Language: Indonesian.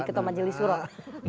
ketua majelis suruh